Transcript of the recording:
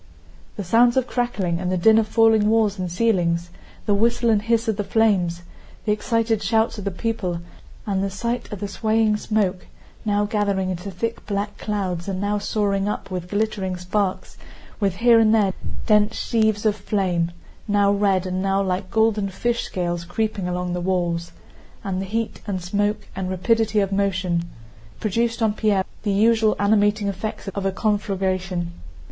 The sounds of crackling and the din of falling walls and ceilings, the whistle and hiss of the flames, the excited shouts of the people, and the sight of the swaying smoke, now gathering into thick black clouds and now soaring up with glittering sparks, with here and there dense sheaves of flame (now red and now like golden fish scales creeping along the walls), and the heat and smoke and rapidity of motion, produced on Pierre the usual animating effects of a conflagration.